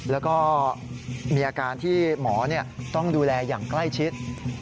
แล้วก็มีอาการที่หมอต้องดูแลอย่างใกล้ชิด